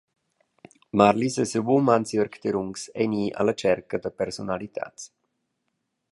Marlis e siu um Hansjörg Derungs ein i alla tscherca da persunalitads.